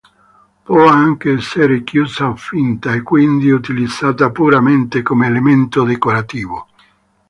Può anche essere chiusa o finta, e quindi utilizzata puramente come elemento decorativo.